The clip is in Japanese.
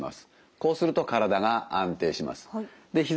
こうすると体が安定します。